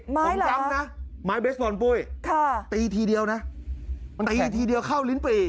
ไม้หรอมั้ยละมั้ยเวสบอลปุ้ยตีทีเดียวนะเข้าลิ้นปิ